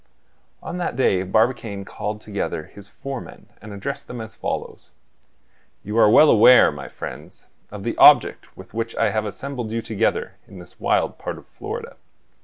On that day Barbicane called together his foremen and addressed them as follows: "You are well aware, my friends, of the object with which I have assembled you together in this wild part of Florida.